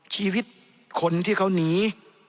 ชีวิตคนที่เขาหนี